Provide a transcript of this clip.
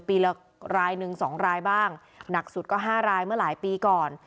ปีละรายหนึ่ง๒รายบ้างหนักสุดก็๕รายเมื่อหลายปีก่อน